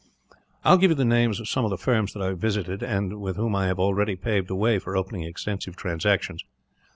"I will give you the names of some of the firms that I have visited, and with whom I have already paved the way for opening extensive transactions.